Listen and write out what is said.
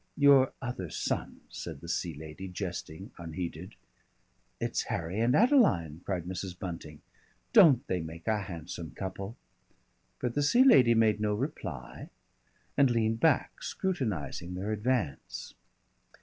"Your other son," said the Sea Lady, jesting unheeded. "It's Harry and Adeline!" cried Mrs. Bunting. "Don't they make a handsome couple?" But the Sea Lady made no reply, and leaned back, scrutinising their advance.